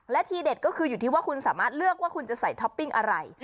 และทีเด็ดก็คืออยู่ที่ว่าคุณสามารถเลือกว่าคุณจะใส่ท็อปปิ้งอะไร